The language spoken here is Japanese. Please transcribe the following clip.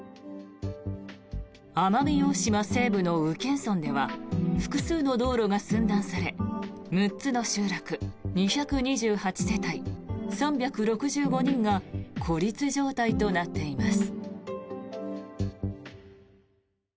奄美大島西部の宇検村では複数の道路が寸断され６つの集落２２８世帯３６５人が孤立状態となっています。